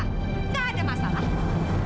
nggak ada masalah